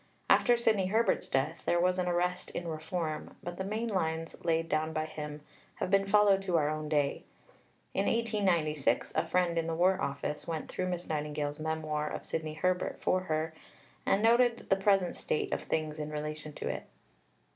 After Sidney Herbert's death there was an arrest in reform; but the main lines laid down by him have been followed to our own day. In 1896 a friend in the War Office went through Miss Nightingale's Memoir of Sidney Herbert for her, and noted the present state of things in relation to it.